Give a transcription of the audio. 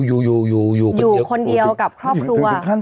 อยู่อยู่คนเดียวกับครอบครัว